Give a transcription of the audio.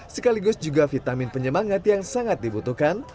sekaligus juga vitamin penyemangat yang sangat dibutuhkan